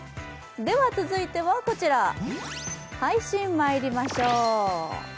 では、続いてはこちら、配信にまいりましょう。